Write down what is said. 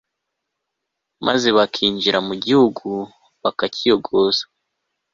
maze bakinjira mu gihugu bakakiyogoza